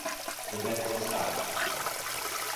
The ventral side is flat.